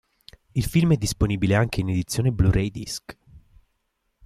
Il film è disponibile anche in edizione Blu-ray Disc.